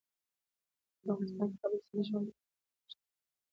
په افغانستان کې کابل سیند د ژوند په کیفیت تاثیر کوي.